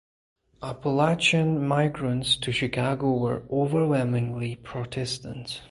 Appalachian migrants to Chicago were overwhelmingly Protestant.